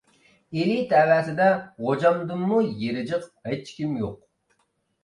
ئىلى تەۋەسىدە غوجامدىنمۇ يېرى جىق ھېچكىم يوق.